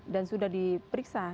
dan sudah diperiksa